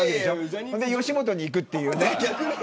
そんで、吉本にいくっていうね。